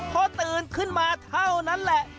พอตื่นขึ้นมาเท่านั้นแหละ